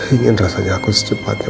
ingin rasanya aku secepatnya